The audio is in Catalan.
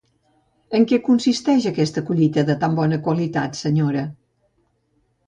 En què consisteix aquesta collita de tan bona qualitat, senyora?